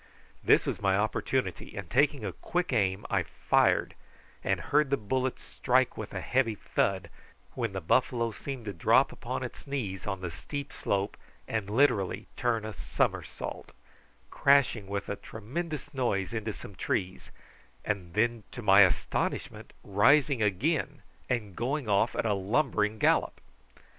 This was my opportunity, and taking a quick aim I fired, and heard the bullet strike with a heavy thud, when the buffalo seemed to drop upon its knees on the steep slope, and literally turned a somersault, crashing with a tremendous noise into some trees; and then, to my astonishment, rising again and going off at a lumbering gallop.